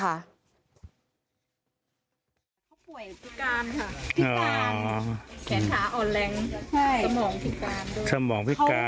เขาป่วยพิการค่ะพิการแขนขาอ่อนแรงใช่สมองพิการ